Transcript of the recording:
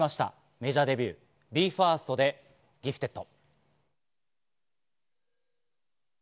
メジャーデビュー、ＢＥ：ＦＩＲＳＴで『Ｇｉｆｔｅｄ．』。